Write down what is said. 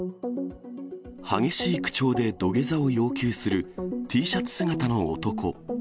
激しい口調で土下座を要求する、Ｔシャツ姿の男。